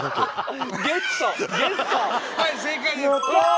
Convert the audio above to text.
はい正解です。